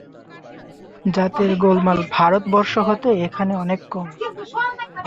জাতের গোলমাল ভারতবর্ষ হতে এখানে অনেক কম।